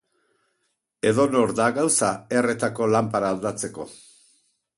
Edonor da gauza erretako lanpara aldatzeko.